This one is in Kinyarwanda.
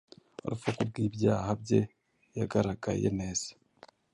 Urupfu kubwibyaha bye yagaragaye neza